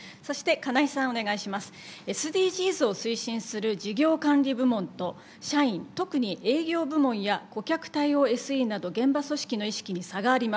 「ＳＤＧｓを推進する事業管理部門と社員特に営業部門や顧客対応ＳＥなど現場組織の意識に差があります。